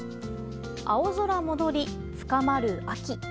青空戻り深まる秋。